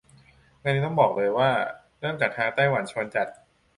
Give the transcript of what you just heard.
งานนี้ต้องบอกเลยว่าเริ่มจากทางไต้หวันชวนจัด